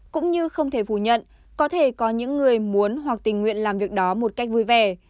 cũng như không thể phủ nhận có thể có những người muốn hoặc tình nguyện làm việc đó một cách vui vẻ